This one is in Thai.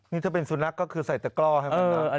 นี่ถ้าเป็นสุนัขก็คือใส่แต่กล้อให้คนหนัก